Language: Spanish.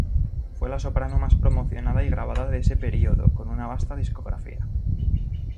Fue la soprano más promocionada y grabada de ese período, con una vasta discografía.